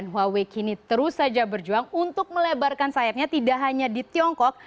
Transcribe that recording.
huawei kini terus saja berjuang untuk melebarkan sayapnya tidak hanya di tiongkok